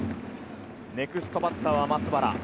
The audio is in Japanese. ネクストバッターは松原。